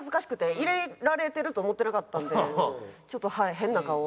入れられてると思ってなかったんでちょっと変な顔を。